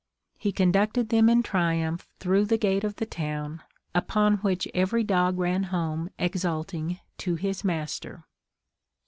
He conducted them in triumph through the gate of the town; upon which every dog ran home exulting to his master."